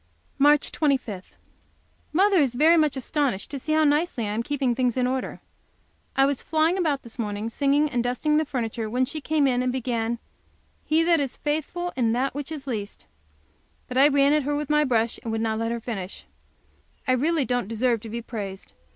March 25. Mother is very much astonished to see how nicely I am keeping things in order. I was flying about this morning, singing, and dusting the furniture, when she came in and began, "He that is faithful in that which is least" but I ran at her my brush, and would not let her finish. I really, really don't deserve to be praised.